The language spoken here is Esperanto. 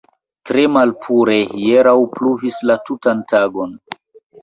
Tre malpure; hieraŭ pluvis la tutan tagon.